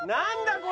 これ。